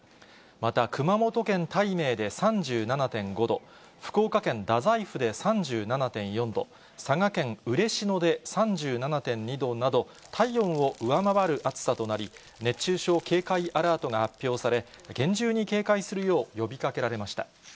また、熊本県岱明で３７．５度、福岡県太宰府で３７．４度、佐賀県嬉野で３７．２度など、体温を上回る暑さとなり、熱中症警戒アラートが発表され、厳重に警戒するよう呼びかけられました。